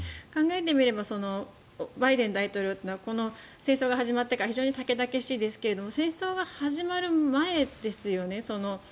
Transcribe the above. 考えてみればバイデン大統領は戦争が始まってから非常にたけだけしいですが戦争が始まる前ですよね。